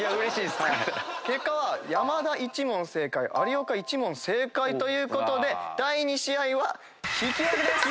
結果は山田１問正解有岡１問正解ということで第２試合は引き分けです！